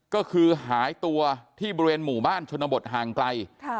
ก็คือหายตัวที่บริเวณหมู่บ้านชนบทห่างไกล